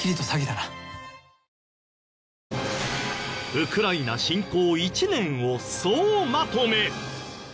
ウクライナ侵攻１年を総まとめ。